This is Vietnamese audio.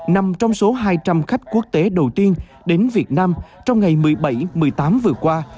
nằm trong số hai trăm linh khách quốc tế đầu tiên đến việt nam trong ngày một mươi bảy một mươi tám vừa qua